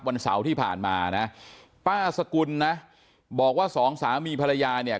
วันเสาร์ที่ผ่านมานะป้าสกุลนะบอกว่าสองสามีภรรยาเนี่ย